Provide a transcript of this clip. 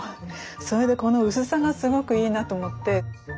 それでこの薄さがすごくいいなと思って。